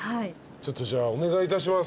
ちょっとじゃあお願いいたします。